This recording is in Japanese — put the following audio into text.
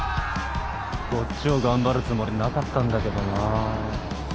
こっちを頑張るつもりなかったんだけどな。